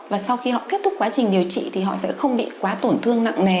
và sau khi họ kết thúc quá trình điều trị thì họ sẽ không bị quá tổn thương nặng nề